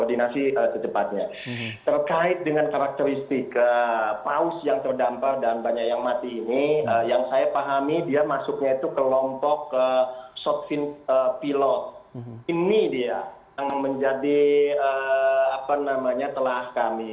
ini dia yang menjadi telah kami